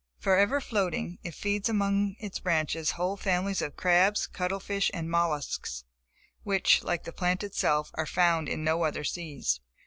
Forever floating it feeds among its branches whole families of crabs, cuttle fish and mollusks, which like the plant itself, are found in no other seas.